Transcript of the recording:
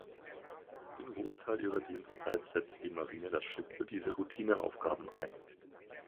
Den Großteil ihrer Dienstzeit setzte die Marine das Schiff für diese Routineaufgaben ein.